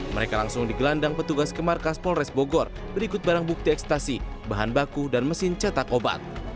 mereka langsung digelandang petugas ke markas polres bogor berikut barang bukti ekstasi bahan baku dan mesin cetak obat